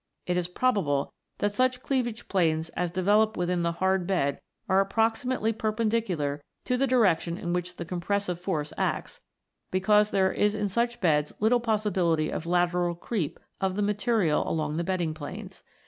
It is probable that such cleavage planes as develop within the hard bed are approximately perpendicular to the direction in which the compressive force acts, because there is in such beds little possibility of lateral creep of the material along the bedding planes.